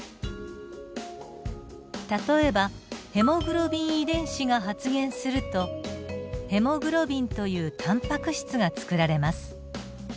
例えばヘモグロビン遺伝子が発現するとヘモグロビンというタンパク質が作られます。